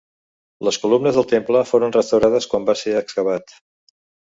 Les columnes del temple foren restaurades quan va ser excavat.